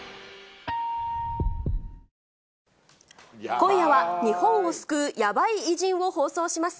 今夜は、日本を救うヤバイ偉人を放送します。